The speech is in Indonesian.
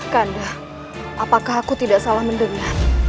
kanda apakah aku tidak salah mendengar